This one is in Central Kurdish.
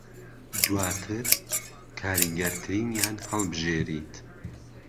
دوواتر کاریگەرترینیان هەڵبژێریت